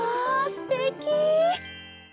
すてき！